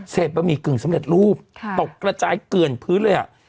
เศษบะหมี่กึ่งสำเร็จรูปตกกระจายเกินพื้นเลย